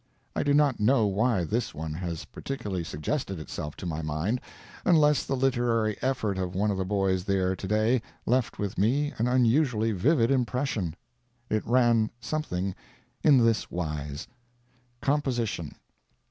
I do not know why this one has particularly suggested itself to my mind, unless the literary effort of one of the boys there to day left with me an unusually vivid impression. It ran something in this wise: COMPOSITION.